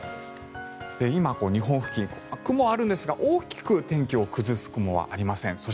今、日本付近、雲はあるんですが大きく天気を崩す雲はありません。